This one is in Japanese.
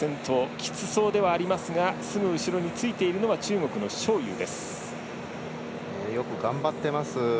きつそうではありますがすぐ後ろについているのはよく頑張ってます。